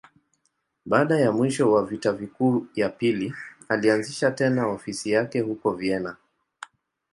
Baada ya mwisho wa Vita Kuu ya Pili, alianzisha tena ofisi yake huko Vienna.